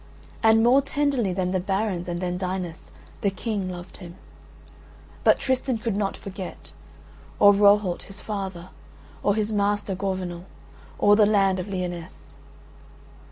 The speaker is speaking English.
And more tenderly than the barons and than Dinas the King loved him. But Tristan could not forget, or Rohalt his father, or his master Gorvenal, or the land of Lyonesse.